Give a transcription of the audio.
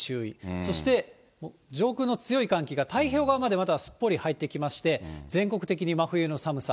そして上空の強い寒気が太平洋側までまたすっぽり入ってきまして、全国的に真冬の寒さ。